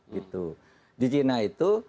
gitu di cina itu